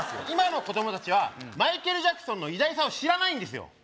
今の子供達はマイケル・ジャクソンの偉大さを知らないんですよ